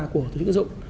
của tổ chức tín dụng